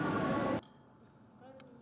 hà nội hà nội hà nội